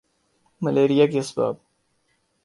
malaria کے اسباب